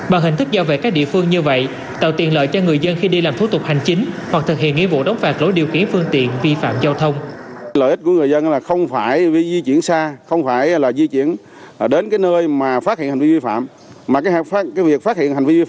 bằng hình thức giao về các địa phương như vậy tạo tiện lợi cho người dân khi đi làm thủ tục hành chính